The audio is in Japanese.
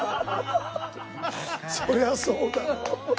そりゃそうだろ。